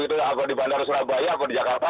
atau di bandara surabaya atau di jakarta